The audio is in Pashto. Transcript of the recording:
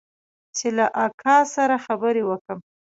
چې له اکا سره خبرې وکم.